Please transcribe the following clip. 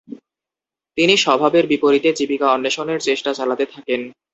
তিনি স্বভাবের বিপরীতে জীবিকা অন্বেষণের চেষ্টা চালাতে থাকেন।